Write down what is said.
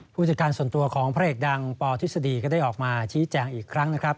ผู้จัดการส่วนตัวของพระเอกดังปทฤษฎีก็ได้ออกมาชี้แจงอีกครั้งนะครับ